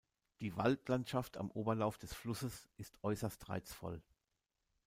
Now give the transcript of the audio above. Die Waldlandschaft am Oberlauf des Flusses ist äußerst reizvoll.